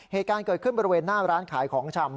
เหตุการณ์เกิดขึ้นบริเวณหน้าร้านขายของชำ